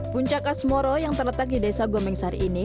puncak asmoro yang terletak di desa gomengsari ini